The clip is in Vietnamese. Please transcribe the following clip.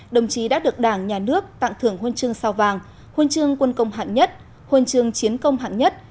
đồng chí đã được đảng nhà nước tặng thưởng huân chương sao vàng huân chương quân công hạng nhất huân chương chiến công hạng nhất